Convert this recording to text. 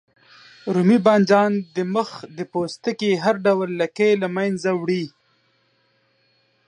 رومي بانجان د مخ د پوستکي هر ډول لکې له منځه وړي.